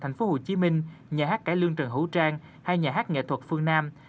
thành phố hồ chí minh nhà hát cải lương trần hữu trang hay nhà hát nghệ thuật phương nam